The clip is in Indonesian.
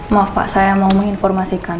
maaf pak saya mau menginformasikan